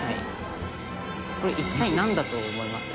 「これ一体なんだと思います？」